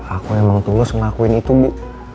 aku emang tulus ngelakuin itu bu